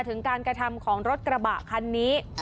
ถึงการกระทำของรถกระบะคันนี้